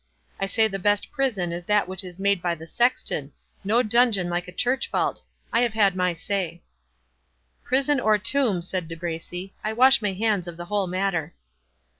I say the best prison is that which is made by the sexton—no dungeon like a church vault! I have said my say." "Prison or tomb," said De Bracy, "I wash my hands of the whole matter."